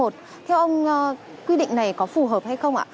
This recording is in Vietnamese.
theo ông quy định này có phù hợp hay không ạ